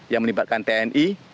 yang melibatkan tni